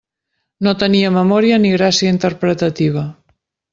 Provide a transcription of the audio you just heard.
No tenia memòria ni gràcia interpretativa.